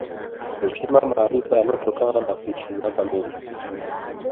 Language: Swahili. Heshima maarifa yanayotokana na kuishi miaka mingi